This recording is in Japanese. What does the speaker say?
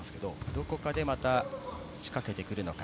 どこかでまた仕掛けてくるのか。